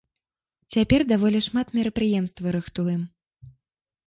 Цяпер даволі шмат мерапрыемстваў рыхтуем.